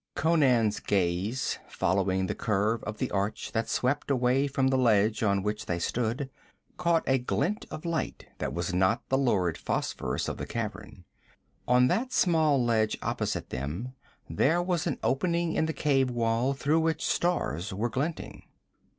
Conan's gaze, following the curve of the arch that swept away from the ledge on which they stood, caught a glint of light that was not the lurid phosphorus of the cavern. On that small ledge opposite them there was an opening in the cave wall through which stars were glinting.